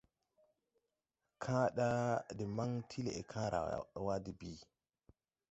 Kããɗa de maŋ ti Lɛʼkããwa de bìi.